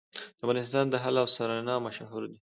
د افغانستان دهل او سرنا مشهور دي